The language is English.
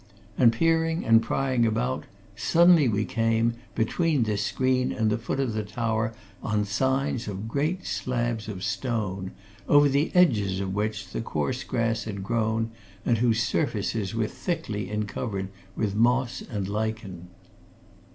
And, peering and prying about, suddenly we came, between this screen and the foot of the tower on signs of great slabs of stone, over the edges of which the coarse grass had grown, and whose surfaces were thickly encumbered with moss and lichen.